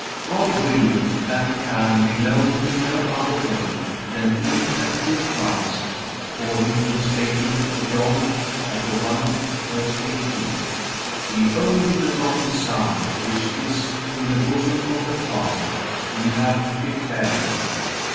God will and can be known in no other way than in and through Christ according to the statement of John 1:18, "The only begotten Son, which is in the bosom of the Father, he hath declared him."